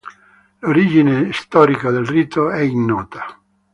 L'origine storica del rito è ignota.